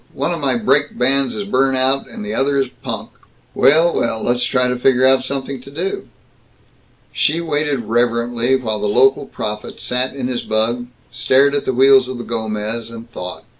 One of my brake bands is burnt out, and the other is punk." "Well, well. Let's try to figure out something to do." She waited reverently while the local prophet sat in his bug, stared at the wheels of the Gomez, and thought.